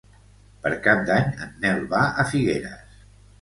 Per Cap d'Any en Nel va a Figueres.